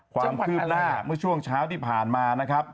ความคืบหน้าเมื่อช่วงเช้าที่ผ่านมานะครับ